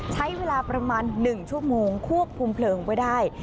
ใช้เวลาประมาณ๑ชั่วโมงควบคุมเพลิงไว้ได้